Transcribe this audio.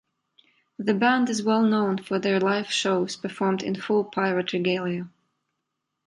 The band is well known for their live shows, performed in full pirate regalia.